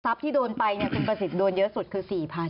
ที่โดนไปคุณประสิทธิ์โดนเยอะสุดคือ๔๐๐๐